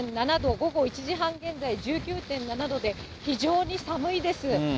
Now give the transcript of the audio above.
午後１時半現在、１９．７度で、非常に寒いです。